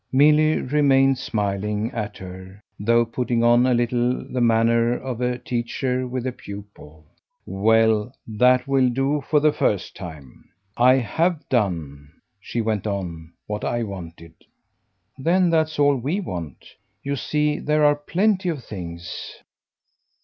Milly remained smiling at her, though putting on a little the manner of a teacher with a pupil. "Well, that will do for the first time. I HAVE done," she went on, "what I wanted." "Then that's all WE want. You see there are plenty of things."